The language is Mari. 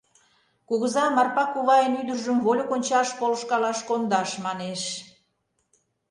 Кугыза «Марпа кувайын ӱдыржым вольык ончаш полышкалаш кондаш» манеш.